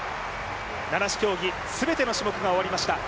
七種競技全ての種目が終わりました。